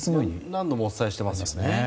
何度もお伝えしてますよね。